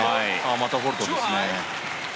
またフォールトですね。